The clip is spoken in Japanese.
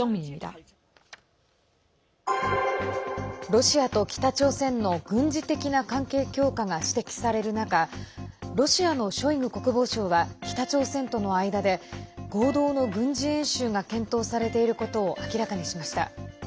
ロシアと北朝鮮の軍事的な関係強化が指摘される中ロシアのショイグ国防相は北朝鮮との間で合同の軍事演習が検討されていることを明らかにしました。